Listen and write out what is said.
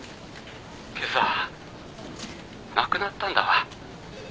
☎けさ亡くなったんだわ。